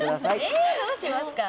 どうしますか？